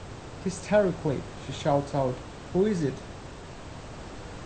"Hysterically" she shouts out "Who is it?